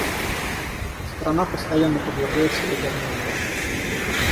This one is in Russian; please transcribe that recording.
Страна постоянно подвергается ядерной угрозе.